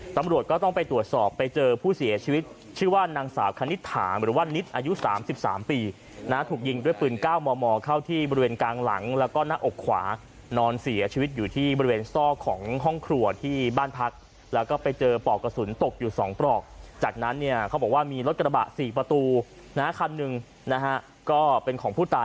ตำรวจก็ต้องไปตรวจสอบไปเจอผู้เสียชีวิตชื่อว่านางสาวคณิตถามหรือว่านิดอายุ๓๓ปีนะถูกยิงด้วยปืน๙มมเข้าที่บริเวณกลางหลังแล้วก็หน้าอกขวานอนเสียชีวิตอยู่ที่บริเวณซอกของห้องครัวที่บ้านพักแล้วก็ไปเจอปลอกกระสุนตกอยู่๒ปลอกจากนั้นเนี่ยเขาบอกว่ามีรถกระบะ๔ประตูนะฮะคันหนึ่งนะฮะก็เป็นของผู้ตาย